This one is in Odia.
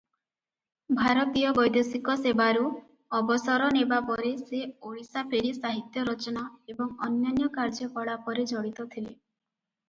ଭାରତୀୟ ବୈଦେଶିକ ସେବାରୁ ଅବସର ନେବା ପରେ ସେ ଓଡ଼ିଶା ଫେରି ସାହିତ୍ୟ ରଚନା ଏବଂ ଅନ୍ୟାନ୍ୟ କାର୍ଯ୍ୟକଳାପରେ ଜଡ଼ିତ ଥିଲେ ।